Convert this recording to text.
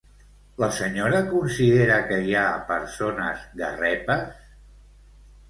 La senyora considera que hi ha persones garrepes?